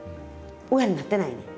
親になってないねん。